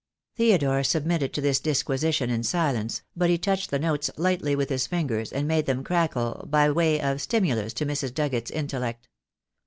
Theodore submitted to this disquisition in silence, but he touched the notes lightly with his fingers and made them crackle, by way of stimulus to Mrs. Dugget's in tellect.